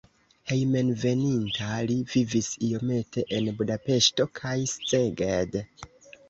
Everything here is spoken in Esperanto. Hejmenveninta li vivis iomete en Budapeŝto kaj Szeged.